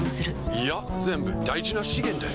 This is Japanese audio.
いや全部大事な資源だよ。